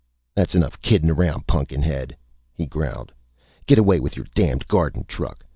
"That's enough kiddin' around, Pun'kin head," he growled. "Get away with your damned garden truck!